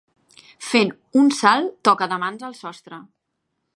Fent un salt toca de mans al sostre.